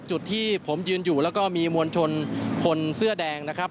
จุดที่ผมยืนอยู่แล้วก็มีมวลชนคนเสื้อแดงนะครับ